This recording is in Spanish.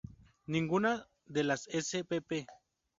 Ninguna de las spp.